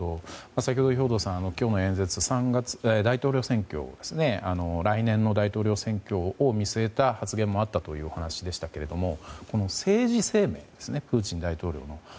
先ほど兵頭さん、今日の演説は来年の大統領選挙を見据えた発言もあったというお話ですが政治生命ですねプーチン大統領の。